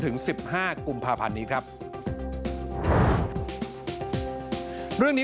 โทษภาพชาวนี้ก็จะได้ราคาใหม่